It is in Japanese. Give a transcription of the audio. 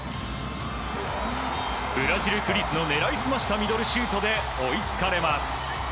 ブラジル、クリスの狙い澄ましたミドルシュートで追いつかれます。